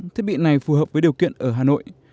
thiết bị này phù hợp với điều kiện ở hà nội